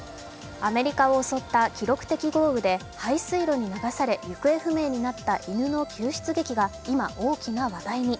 アメリカを襲った記録的豪雨で排水路に流され行方不明になった犬の救出劇が今、大きな話題に。